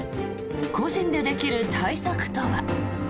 個人でできる対策とは。